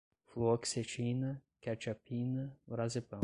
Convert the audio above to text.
fluoxetina, quetiapina, Lorazepam